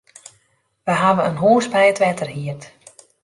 Wy hawwe in hûs by it wetter hierd.